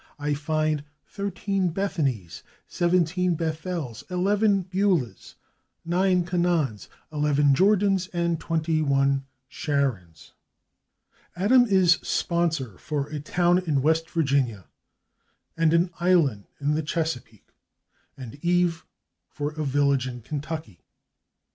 I find thirteen /Bethanys/, seventeen /Bethels/, eleven /Beulahs/, nine /Canaans/, eleven /Jordans/ and twenty one /Sharons/. /Adam/ is sponsor for a town in West Virginia and an island in the Chesapeake, and /Eve/ for a village in Kentucky.